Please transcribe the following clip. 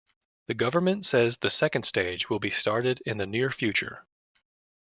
The Government says the second stage will be started in the near future.